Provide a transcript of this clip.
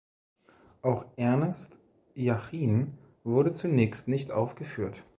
Auch Ernest Jachin wurde zunächst nicht aufgeführt.